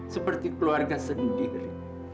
seperti keluarga sendiri